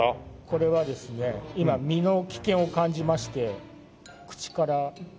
これはですね今身の危険を感じまして口から。